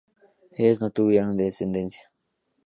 Ellos no tuvieron descendencia.